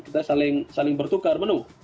kita saling bertukar menu